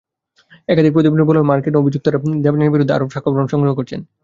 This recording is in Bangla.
একাধিক প্রতিবেদনে বলা হয়, মার্কিন অভিযোক্তারা দেবযানীর বিরুদ্ধে আরও সাক্ষ্যপ্রমাণ সংগ্রহ করছেন।